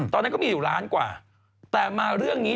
ตอนนั้นก็มีอยู่ล้านกว่าแต่มาเรื่องนี้